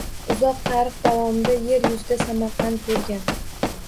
Uzoq tarix davomida yer yuzida Samarqand bo’ lgan.